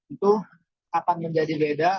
itu akan menjadi beda